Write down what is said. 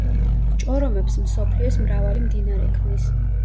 ჭორომებს მსოფლიოს მრავალი მდინარე ქმნის.